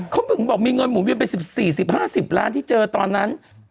ก็ใช่เขาบอกมีเงินหมุนเวียนไป๑๔๑๕ล้านที่เจอตอนนั้น